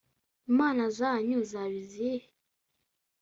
inama zanyu zaba izihe’